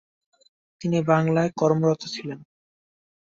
তিনি বাংলায় কর্মরত ছিলেন।